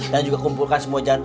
dan juga kumpulkan semua janda